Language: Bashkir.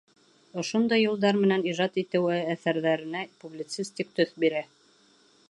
Ошондай юлдар менән ижад итеүе әҫәрҙәренә публицистик төҫ бирә.